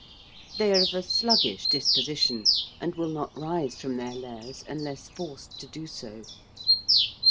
They are of a sluggish disposition, and will not rise from their lairs unless forced to do so.